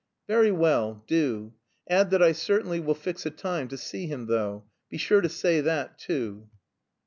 "Very well, do. Add that I certainly will fix a time to see him though. Be sure to say that too."